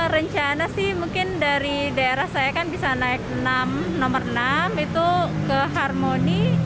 rencana sih mungkin dari daerah saya kan bisa naik nomor enam itu ke harmoni